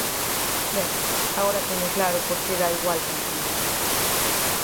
Ben, agora teño claro por que dá igual quen conteste.